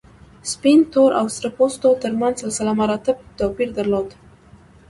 سپین، تور او سره پوستو تر منځ سلسله مراتبو توپیر درلود.